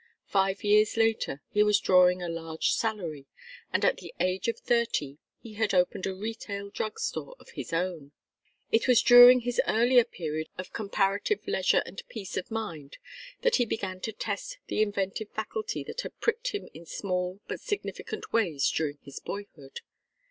Five years later he was drawing a large salary, and at the age of thirty he had opened a retail drug store of his own. It was during his earlier period of comparative leisure and peace of mind that he began to test the inventive faculty that had pricked him in small but significant ways during his boyhood.